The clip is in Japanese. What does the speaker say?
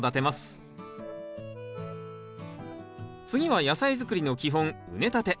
次は野菜づくりの基本畝立て。